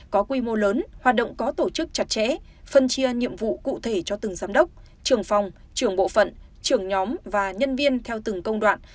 có quy mô lớn hoạt động có tổ chức chặt chẽ phân chia nhiệm vụ cụ thể cho từng giám đốc trưởng phòng trưởng bộ phận trưởng nhóm và nhân viên theo từng công đoạn